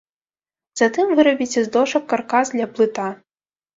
Затым вырабіце з дошак каркас для плыта.